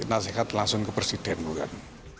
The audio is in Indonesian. nasihat langsung ke presiden bukan